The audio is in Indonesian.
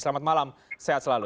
selamat malam sehat selalu